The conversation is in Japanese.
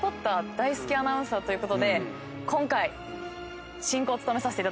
大好きアナウンサーということで今回進行を務めさせていただきます。